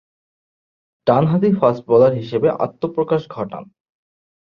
ডানহাতি fast bowler হিসেবে আত্মপ্রকাশ ঘটান।